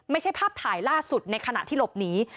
ไม่ใช่ภาพถ่ายล่าสุดในขณะที่หลบหนี